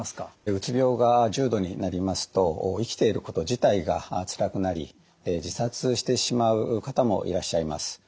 うつ病が重度になりますと生きていること自体がつらくなり自殺してしまう方もいらっしゃいます。